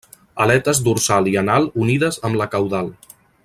Aletes dorsal i anal unides amb la caudal.